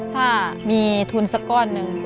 ถ้ามีทุนสักก้อนหนึ่ง